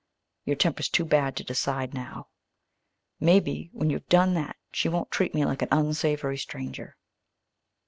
Your temper's too bad to decide now. Maybe when you've done that she won't treat me like an unsavory stranger."